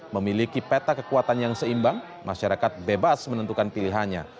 memiliki peta kekuatan yang seimbang masyarakat bebas menentukan pilihannya